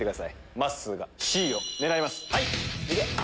まっすーがＣを狙います。